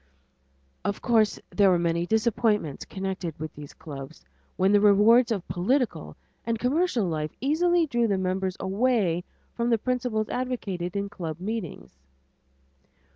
Of course there were many disappointments connected with these clubs when the rewards of political and commercial life easily drew the members away from the principles advocated in club meetings.